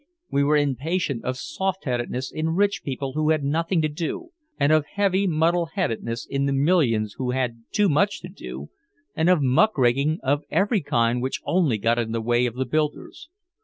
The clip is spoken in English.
We were impatient of soft headedness in rich people who had nothing to do, and of heavy muddle headedness in the millions who had too much to do, and of muckraking of every kind which only got in the way of the builders.